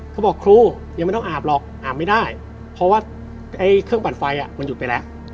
เขาบอกครูยังไม่ต้องอาบหรอกอาบไม่ได้เพราะว่าเครื่องปั่นไฟมันหยุดไปแล้ว